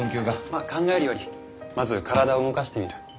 まっ考えるよりまず体を動かしてみる。